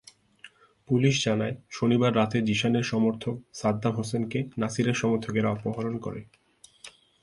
Police জানায়, শনিবার রাতে জিসানের সমর্থক সাদ্দাম হোসেনকে নাছিরের সমর্থকেরা অপহরণ করে।